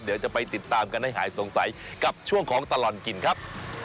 เดี๋ยวจะไปติดตามกันให้หายสงสัยกับช่วงของตลอดกินครับ